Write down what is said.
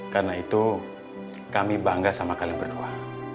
karena itu kami bangga sama kalian berdua